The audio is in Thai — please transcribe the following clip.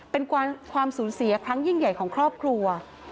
เป็นความสูญเสียครั้งยิ่งใหญ่ของครอบครัว